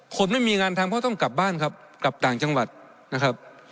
คนไม่มีงานทำเพราะต้องกลับบ้านครับกลับต่างจังหวัดนะครับ